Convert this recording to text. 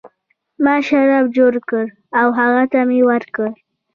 ما شراب جوړ کړل او هغه ته مې ورکړل.